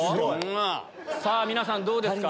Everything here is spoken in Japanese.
さぁ皆さんどうですか？